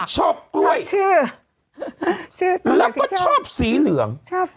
กล้วยแล้วก็ชอบสีเหลือง